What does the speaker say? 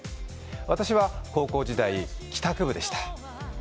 私は高校時代、帰宅部でした。